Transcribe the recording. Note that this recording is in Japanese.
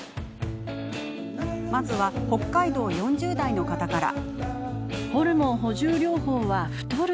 まずは、北海道４０代の方から。